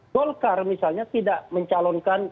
golkar misalnya tidak mencalonkan